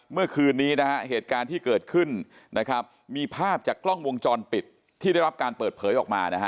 เมื่อคืนนี้นะฮะเหตุการณ์ที่เกิดขึ้นนะครับมีภาพจากกล้องวงจรปิดที่ได้รับการเปิดเผยออกมานะฮะ